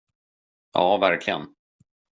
Ja, verkligen.